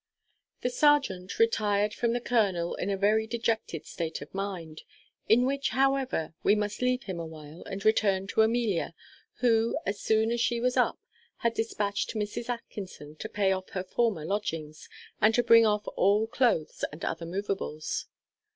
_ The serjeant retired from the colonel in a very dejected state of mind: in which, however, we must leave him awhile and return to Amelia; who, as soon as she was up, had despatched Mrs. Atkinson to pay off her former lodgings, and to bring off all cloaths and other moveables.